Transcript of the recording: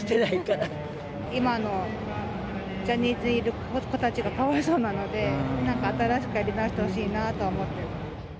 今のジャニーズにいる子たちがかわいそうなので、なんか新しくやり直してほしいなとは思ってます。